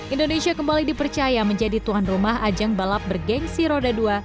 indonesia kembali dipercaya menjadi tuan rumah ajang balap bergensi roda dua